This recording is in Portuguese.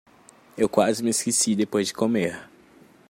Eu quase me esqueci depois de comer.